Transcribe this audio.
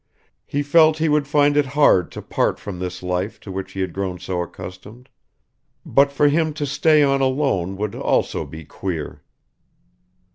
He felt he would find it hard to part from this life to which he had grown so accustomed; but for him to stay on alone would also be queer.